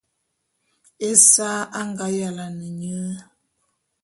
Esa a nga yalane nye.